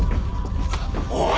おい！